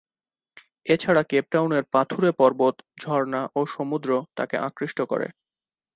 এছাড়া কেপটাউনের পাথুরে পর্বত, ঝর্ণা ও সমুদ্র তাকে আকৃষ্ট করে।